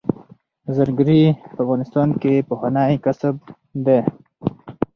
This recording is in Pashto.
زرګري په افغانستان کې پخوانی کسب دی